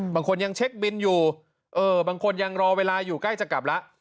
บางคนยังเช็คบินอยู่บางคนยังรอเวลาอยู่ใกล้จะกลับแล้ว